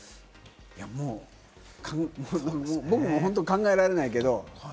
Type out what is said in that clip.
もう僕、本当に考えられないけれども。